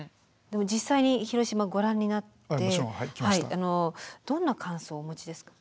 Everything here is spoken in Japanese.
でも実際に広島ご覧になってどんな感想をお持ちですか？